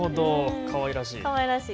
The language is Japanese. かわいらしい。